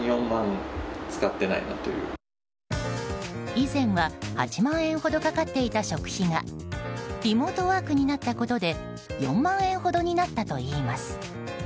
以前は８万円ほどかかっていた食費がリモートワークになったことで４万円ほどになったといいます。